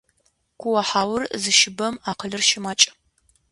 Куохьаур зыщыбэм акъылыр щымакӏ.